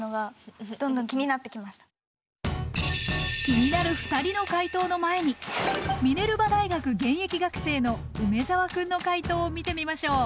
気になる２人の解答の前にミネルバ大学現役学生の梅澤くんの解答を見てみましょう。